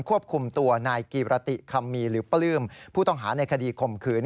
ควบคุมตัวนายกีรติคำมีหรือปลื้มผู้ต้องหาในคดีข่มขืน